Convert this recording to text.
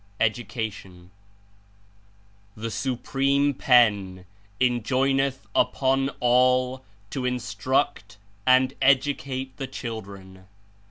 EDUCATIOX "7 he Supreme Pen enjoineth upon all to instruct and educate the children.